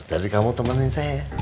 jadi kamu temenin saya ya